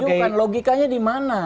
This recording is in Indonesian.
tunjukkan logikanya dimana